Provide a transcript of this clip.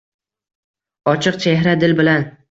Ochiq chehra dil bilan.